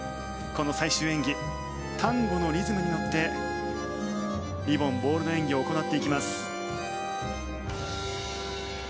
この最終演技タンゴのリズムに乗ってリボン・ボールの演技を行っていきます。